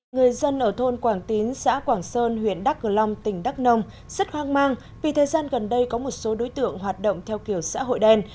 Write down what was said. người dân ở thôn quảng tín xã quảng sơn huyện đắk cờ long tỉnh đắk nông rất hoang mang vì thời gian gần đây có một số đối tượng hoạt động theo kiểu xã hội đen